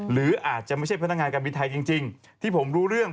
หรืออาจจะไม่ใช่พนักงานการบินไทยจริงที่ผมรู้เรื่อง